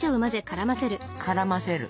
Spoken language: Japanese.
絡ませる。